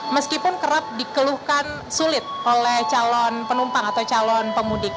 meskipun kerap dikeluhkan sulit oleh calon penumpang atau calon pemudik